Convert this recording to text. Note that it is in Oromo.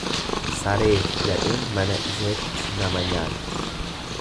Sareefi gadheen mana isheetti nama nyaatti.